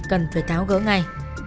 cần phải tháo gỡ ngay